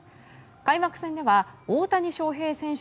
開幕戦では大谷翔平選手